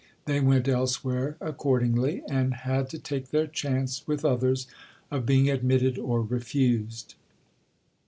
They went elsewhere accordingly, and had to take their chance, with others, of being admitted or refused.